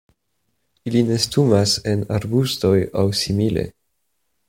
Ili nestumas en arbustoj aŭ simile.